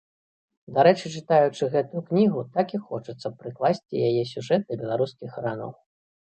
Дарэчы, чытаючы гэтую кнігу, так і хочацца прыкласці яе сюжэт да беларускіх ранаў.